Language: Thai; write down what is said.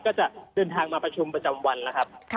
ก็จะเดินทางมาประชุมประจำวันแล้วครับ